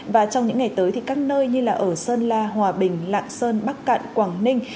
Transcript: và trong những ngày tới thì các nơi như ở sơn la hòa bình lạng sơn bắc cạn quảng ninh